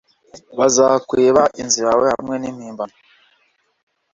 bazakwiba inzu yawe hamwe nimpimbano